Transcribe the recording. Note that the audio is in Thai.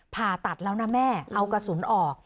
ผ่าตัดแล้วนะแม่เอากระสุนออก